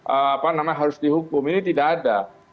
apa namanya harus dihukum ini tidak ada